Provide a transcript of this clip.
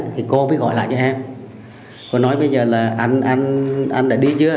thì cô mới gọi lại cho em cô nói bây giờ là anh anh đã đi chưa